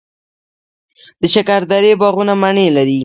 د شکردرې باغونه مڼې لري.